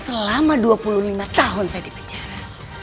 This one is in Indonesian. selama dua puluh lima tahun saya di penjara